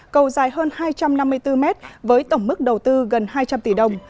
cầu dài hơn hai trăm năm mươi bốn mét với tổng mức đầu tư gần hai trăm linh tỷ đồng